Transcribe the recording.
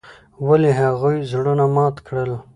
ولې هغوي زړونه مات کړل.